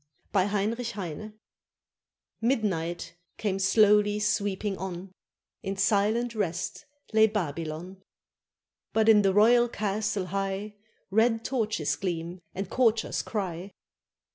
] BY HEINRICH HEINE Midnight came slowly sweeping on; In silent rest lay Babylon. But in the royal castle high Red torches gleam and courtiers cry.